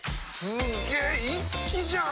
すげ一気じゃん！